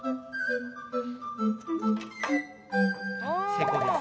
成功です。